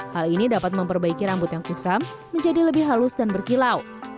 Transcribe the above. hal ini dapat memperbaiki rambut yang kusam menjadi lebih halus dan berkilau